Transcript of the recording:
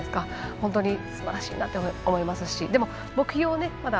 本当にすばらしいなと思いますしでも、目標をね